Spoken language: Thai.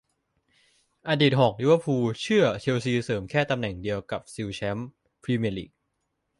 อดีตหอก ลิเวอร์พูล เชื่อ เชลซี เสริมแค่ตำแหน่งเดียวก็ซิวแชมป์ พรีเมียร์ลีก